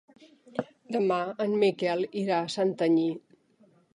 Demà en Miquel irà a Santanyí.